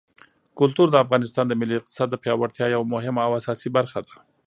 کلتور د افغانستان د ملي اقتصاد د پیاوړتیا یوه مهمه او اساسي برخه ده.